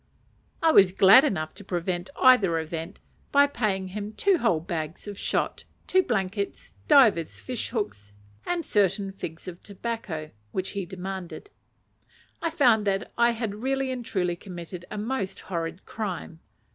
I was glad enough to prevent either event, by paying him two whole bags of shot, two blankets, divers fish hooks, and certain figs of tobacco, which he demanded. I found that I had really and truly committed a most horrid crime.